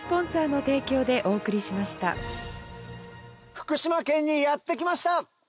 福島県にやって来ました！